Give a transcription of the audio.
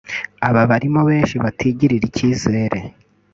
Aba barimo benshi batigirira icyizere